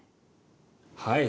はい。